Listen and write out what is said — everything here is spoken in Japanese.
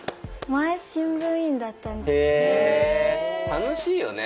楽しいよね。